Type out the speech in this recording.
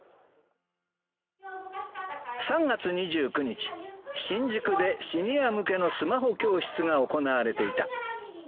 ３月２９日、新宿でシニア向けのスマホ教室が行われていた。